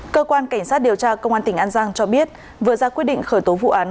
cơ quan cảnh sát điều tra công an tỉnh an giang cho biết vừa ra quyết định khởi tố vụ án